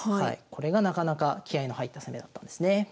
これがなかなか気合いの入った攻めだったんですね。